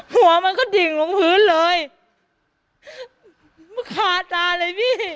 หัวมันก็ดิ่งลงพื้นเลยมันคาตาเลยพี่